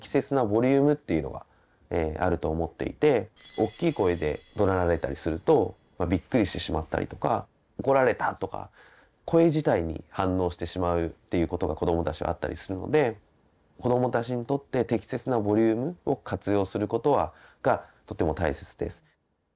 おっきい声でどなられたりするとびっくりしてしまったりとか怒られたとか声自体に反応してしまうっていうことが子どもたちはあったりするので子どもたちにとって適切なボリュームを活用することがとても大切です。